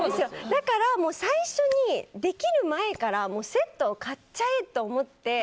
だから最初に、できる前からセットを買っちゃえと思って。